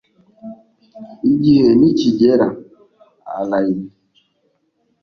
igihe nikigera, allayne.